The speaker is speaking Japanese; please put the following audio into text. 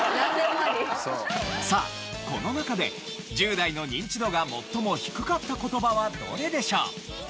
さあこの中で１０代のニンチドが最も低かった言葉はどれでしょう？